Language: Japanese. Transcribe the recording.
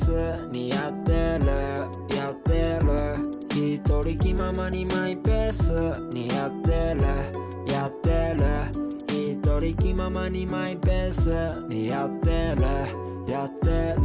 「一人気ままにマイペースにやってるやってる」「一人気ままにマイペースにやってるやってる」